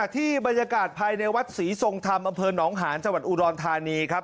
ที่บรรยากาศภายในวัดศรีทรงธรรมอำเภอหนองหาญจังหวัดอุดรธานีครับ